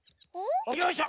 よいしょ！